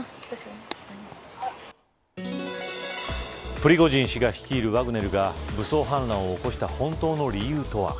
プリゴジン氏が率いるワグネルが武装反乱を起こした本当の理由とは。